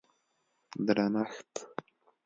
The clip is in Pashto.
درنښت